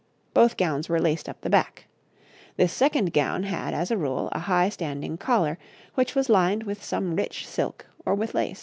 Both gowns were laced up the back. This second gown had, as a rule, a high, standing collar, which was lined with some rich silk or with lace.